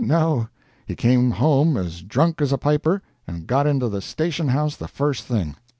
Ah, no; he came home as drunk as a piper, and got into the station house the first thing.